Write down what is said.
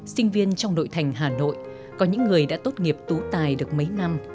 sinh viên trong đội thành hà nội có những người đã tốt nghiệp tủ tài được mấy năm